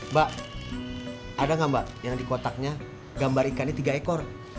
mbak ada gak mbak yang di kotaknya gambar ikan ini tiga ekor